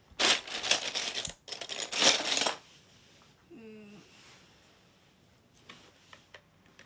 うん。